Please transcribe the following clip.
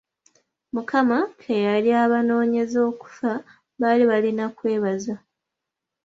Mukama ke yali abawonyeza okufa, baali balina kwebaza.